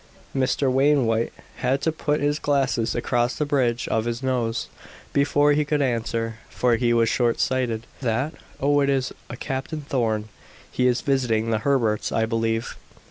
Mr. Wainwright had to put his glasses across the bridge of his nose before he could answer, for he was short sighted. "That? Oh, it is a Captain Thorn. He is visiting the Herberts, I believe."